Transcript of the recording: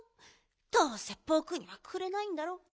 どうせぼくにはくれないんだろ。